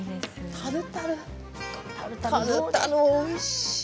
タルタルおいしい。